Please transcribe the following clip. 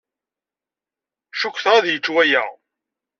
Cukkteɣ ad yečč waya.